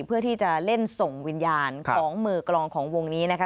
เพื่อที่จะเล่นส่งวิญญาณของมือกลองของวงนี้นะคะ